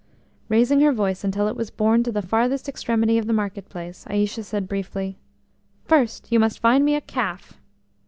Raising her voice until it was borne to the farthest extremity of the market place, Aïcha said briefly: "First you must find me a calf!"